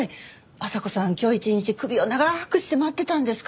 阿佐子さん今日一日首を長くして待ってたんですから。